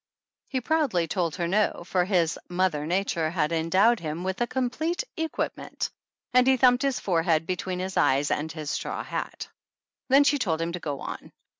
He proudly told her no, for his "Mother Nature had endowed him with a com plete equipment," and he thumped his forehead between his eyes and his straw hat. Then she told him to go on.